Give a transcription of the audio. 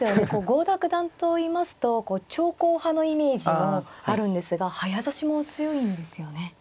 郷田九段といいますと長考派のイメージもあるんですが早指しも強いんですよね。